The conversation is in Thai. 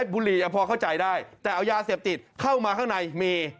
บุหรี่พอเข้าใจได้แต่เอายาเสพติดเข้ามาข้างในมี